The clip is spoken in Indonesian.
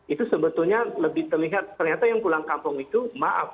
itu sebetulnya lebih terlihat ternyata yang pulang kampung itu maaf